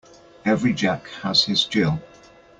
Every Jack has his Jill.